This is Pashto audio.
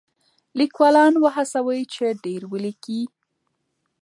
لیکوالان وهڅوئ چې ډېر ولیکي.